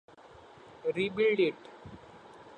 Rebuild it!